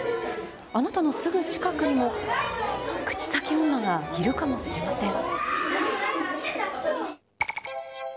あなたのすぐ近くにも口裂け女がいるかもしれません。